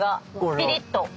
ピリッと。